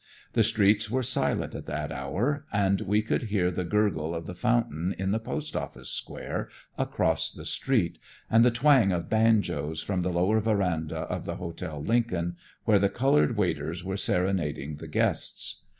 The streets were silent at that hour, and we could hear the gurgle of the fountain in the Post Office square across the street, and the twang of banjos from the lower verandah of the Hotel Lincoln, where the colored waiters were serenading the guests.